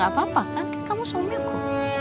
gak apa apa kan kamu suami aku